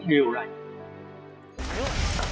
đều là sự hy sinh